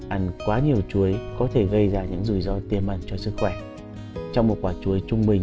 ăn quá nhiều chuối có thể gây ra những rủi ro tiềm ẩn cho sức khỏe trong một quả chuối trung bình